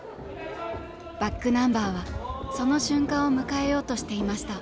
ｂａｃｋｎｕｍｂｅｒはその瞬間を迎えようとしていました。